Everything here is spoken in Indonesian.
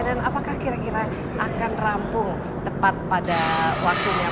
dan apakah kira kira akan rampung tepat pada waktunya